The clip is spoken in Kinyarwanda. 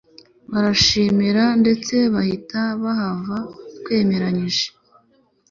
baraduashimira ndetse duhita bahava twemeranyije